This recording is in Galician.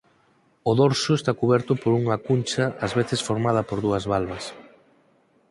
O dorso está cuberto por unha cuncha ás veces formada por dúas valvas.